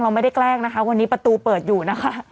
เราไม่ได้แกล้งนะคะวันนี้ประตูเปิดอยู่นะคะ